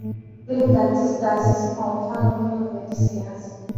vile taasisi kwa mfano vyama vya kisiasa